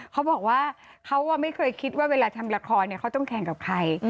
เขาก็ไม่เคยคิดว่าเวลาทำละครเนี่ยเขาต้องแข่งกับใคร